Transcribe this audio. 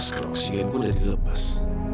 askeroksidenku udah dilepas